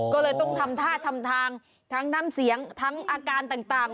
ก็เลยต้องทำท่าทำทางทั้งน้ำเสียงทั้งอาการต่าง